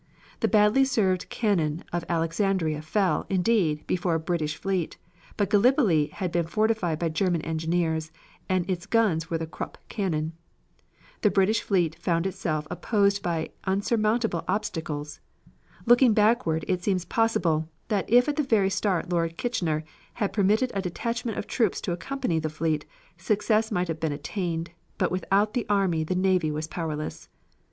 The badly served cannon of Alexandria fell, indeed, before a British fleet, but Gallipoli had been fortified by German engineers, and its guns were the Krupp cannon. The British fleet found itself opposed by unsurmountable obstacles. Looking backward it seems possible, that if at the very start Lord Kitchener had permitted a detachment of troops to accompany the fleet, success might have been attained, but without the army the navy was powerless.